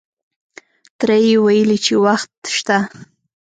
تره یې ویلې چې وخت شته.